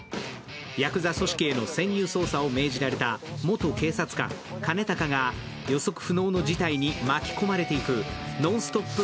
やくざ組織への潜入捜査を命じられた元警察官・兼高が予測不能の事態に巻き込まれていくノンストップ